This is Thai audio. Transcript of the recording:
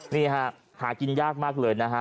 นี่ฮะหากินยากมากเลยนะฮะ